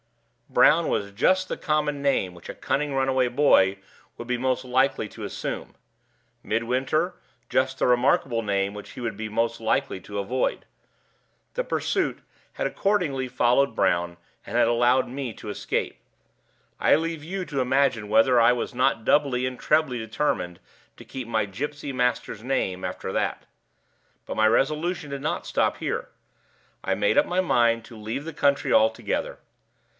Brown was just the common name which a cunning runaway boy would be most likely to assume; Midwinter, just the remarkable name which he would be most likely to avoid. The pursuit had accordingly followed Brown, and had allowed me to escape. I leave you to imagine whether I was not doubly and trebly determined to keep my gypsy master's name after that. But my resolution did not stop here. I made up my mind to leave the country altogether.